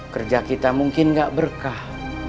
kerja kita mungkin gak berkah